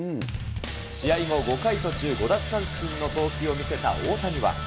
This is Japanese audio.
試合後、５回途中５奪三振の投球を見せた大谷は。